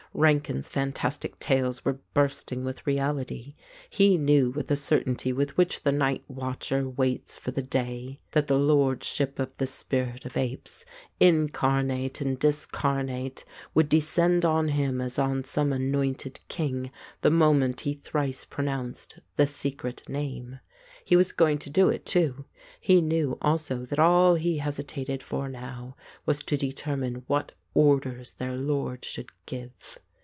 Rankin's fantastic tales were bursting with reality; he knew with the certainty with which the night watcher waits for the day, that the lordship of the 205 The Ape spirit of apes, incarnate and discarnate, would descend on him as on some anointed king the moment he thrice pronounced the secret name. He was going to do it too; he knew also that all he hesitated for now was to determine what orders their lord should give.